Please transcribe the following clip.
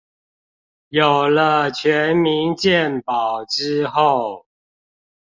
有了全民健保之後